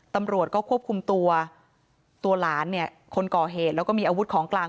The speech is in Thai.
ตำรวจก็ควบคุมตัวตัวหลานเนี่ยคนก่อเหตุแล้วก็มีอาวุธของกลาง